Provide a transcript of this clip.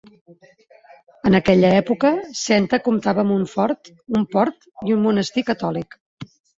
En aquella època, Senta comptava amb un fort, un port i un monestir catòlic.